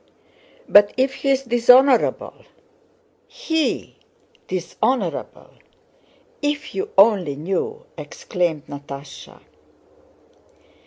"But if he is dishonorable?" "He! dishonorable? If you only knew!" exclaimed Natásha.